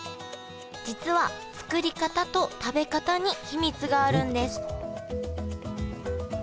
実は作り方と食べ方に秘密があるんです